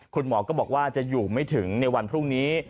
คุณหมอก็บอกว่าจะอยู่ไม่ถึงในวันพรุ่งนี้